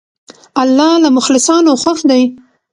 الله له مخلصانو خوښ دی.